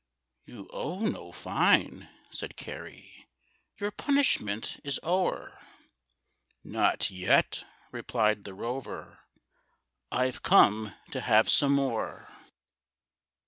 "You owe no fine," said Carey, "Your punishment is o'er." "Not yet," replied the rover; "I've come to have some more.